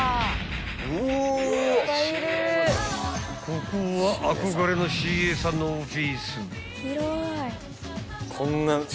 ［ここは憧れのＣＡさんのオフィス］